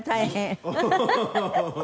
ハハハハ！